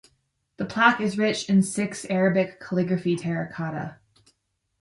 The plaque is rich in six Arabic calligraphy terracotta.